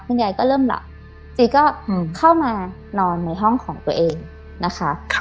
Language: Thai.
ยายก็เริ่มหลับจีก็เข้ามานอนในห้องของตัวเองนะคะ